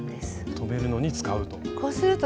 留めるのに使うと。